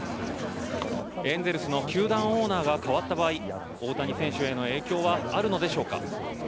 エンゼルスの球団オーナーが代わった場合大谷選手への影響はあるのでしょうか。